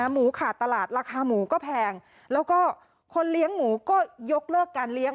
หมูขาดตลาดราคาหมูก็แพงแล้วก็คนเลี้ยงหมูก็ยกเลิกการเลี้ยง